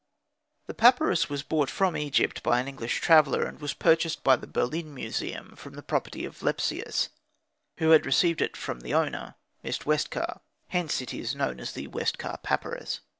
The papyrus was brought from Egypt by an English traveller, and was purchased by the Berlin Museum from the property of Lepsius, who had received it from the owner, Miss Westcar: hence it is known as the Westcar papyrus.